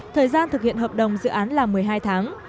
thời gian thực hiện hợp đồng dự án là một mươi hai tháng